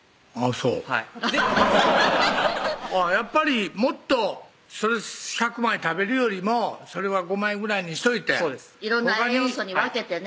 そうはいやっぱりもっとそれ１００枚食べるよりもそれは５枚ぐらいにしといて色んな栄養素に分けてね